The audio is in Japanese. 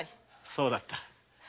そうだったな。